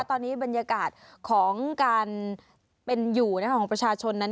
ตอนนี้บรรยากาศของการเป็นอยู่ของประชาชนนั้น